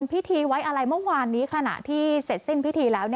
พิธีไว้อะไรเมื่อวานนี้ขณะที่เสร็จสิ้นพิธีแล้ว